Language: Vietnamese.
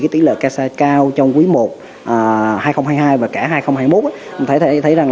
tỷ lệ kasha cao trong quý i hai nghìn hai mươi hai và cả hai nghìn hai mươi một